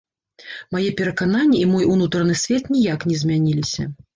Мае перакананні і мой унутраны свет ніяк не змяніліся.